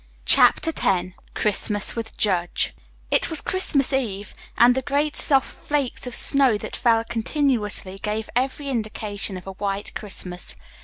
CHAPTER X CHRISTMAS WITH JUDGE It was Christmas Eve, and the great soft flakes of snow that fell continuously gave every indication of a white Christmas.